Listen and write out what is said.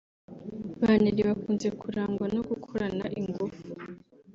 Ba Nelly bakunze kurangwa no gukorana ingufu